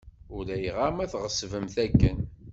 Ulayɣer ma tɣeṣbemt akken.